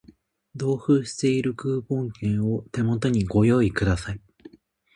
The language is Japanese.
同封しているクーポン券を手元にご用意ください